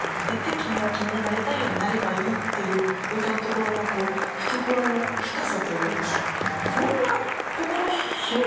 「君は君のなりたいようになればいい」っていう歌うところの懐の深さというか。